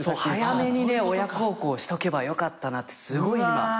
早めに親孝行しとけばよかったってすごい今。